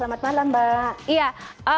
selamat malam mbak